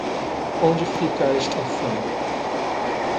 Onde fica a estação?